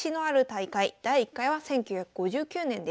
第１回は１９５９年です。